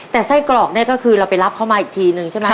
แต่ไส้กรอกเนี่ยก็คือเราไปรับเขามาอีกทีนึงใช่ไหม